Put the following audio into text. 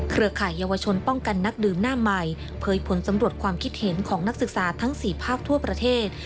ข่ายเยาวชนป้องกันนักดื่มหน้าใหม่เผยผลสำรวจความคิดเห็นของนักศึกษาทั้ง๔ภาคทั่วประเทศ